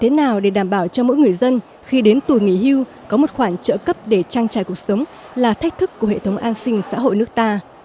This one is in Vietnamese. thế nào để đảm bảo cho mỗi người dân khi đến tuổi nghỉ hưu có một khoản trợ cấp để trang trải cuộc sống là thách thức của hệ thống an sinh xã hội nước ta